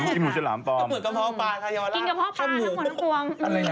กินกะเพราะปลาทายาวรักชมืออะไรนะ